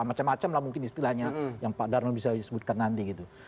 macam macam lah mungkin istilahnya yang pak darno bisa sebutkan nanti gitu